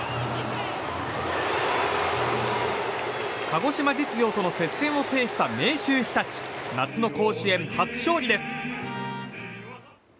鹿児島実業との接戦を制した明秀日立夏の甲子園、初勝利です。